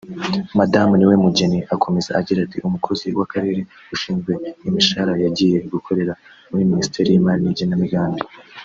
Madamu Niwemugeni akomeza agira ati « umukozi w’Akarere ushinzwe imishahara yagiye gukorera muri Minisiteri y’imari n’igenamigambi